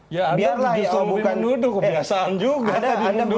ya anda bisa menuduh kebiasaan juga